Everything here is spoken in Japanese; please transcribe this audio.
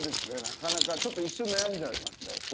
なかなかちょっと一瞬悩んじゃいますね。